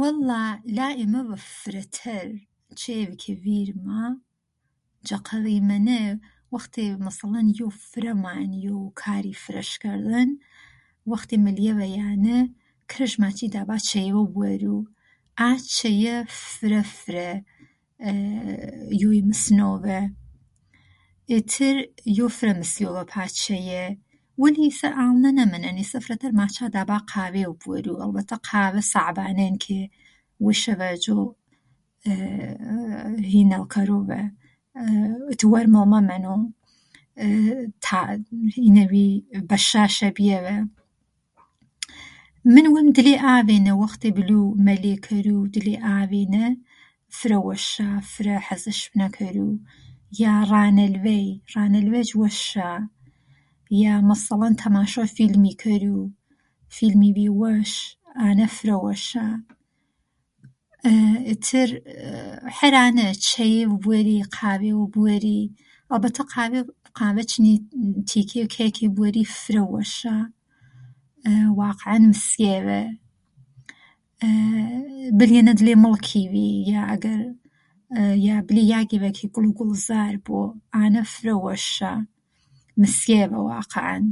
وەڵا لا ئێمەڤە فرەتەر چێڤێڤ کە ڤیرما جە قەذیمەنە وەختێڤ یۆ فرە مانیۆ کاری فرەش کەرذەن، وەختێڤ ملیەڤە یانە کرژ ماچی دابا چەیێڤ بوەروو. ئاچەیە فرە فرە ئێێ یۆی مسنۆڤە. ئێتر یۆ فرە مسیۆڤە پا چەیە. وەلی ئێسە ئاننە نەمەنەن ئیسە ماچا دابا قاڤێڤ بوەروو ئەڵبەتە قاڤە ساعبانێن کە ویشەڤە ئەجۆ ئێێ هینێذ کەرۆڤە ئێتر وەرمذ مەمەنۆ. تا ئێێێ هینێڤی بەشاشە بیەڤە. من وێم دلی ئاڤێنە وەختێڤ ملوو مەلێ کەروو دلێ ئاڤێنە فرە وەششا فرە حەزش پنە کەروو. یا رانە لڤەی، رانە لڤەیچ وەشا. یا مەسەڵەن تەماشدەو فیلمی کەروو. فیلێڤی وەش، ئانە فرە وەشا. ئێ ءیت عەر ئانە ئێ چەیێڤ بوەری قاڤێڤ بوەری ئەڵبەتە قاڤە چنی تیکێڤ کەیکێ بوەری فرە وەشا واقێحەن مسیێڤە. بلیەنە دلێ مڵکێڤی یا ئەگەر، یا بلی بلی یاگێڤە کە گوڵوو گوڵزار بۆ. ئانە فرە وەشا مسیەیەڤە واقێعەن